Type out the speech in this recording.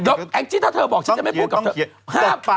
เดี๋ยวแองจี้ถ้าเธอบอกฉันจะไม่พูดกับเธอ